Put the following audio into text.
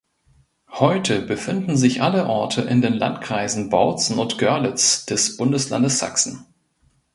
Heute befinden sich alle Orte in den Landkreisen Bautzen und Görlitz des Bundeslandes Sachsen.